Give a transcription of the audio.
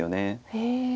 へえ。